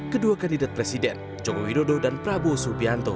kedua kandidat presiden joko widodo dan prabowo subianto